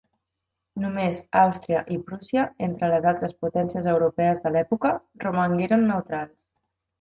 Només Àustria i Prússia, entre les altres potències europees de l'època, romangueren neutrals.